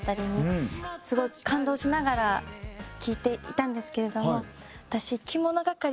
すごい感動しながら聴いていたんですけれども私そっちか。